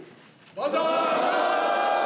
万歳！